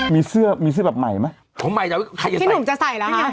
มีเสื้อมีเสื้อแบบใหม่ไหมของใหม่ที่หนุ่มจะใส่แล้วฮะ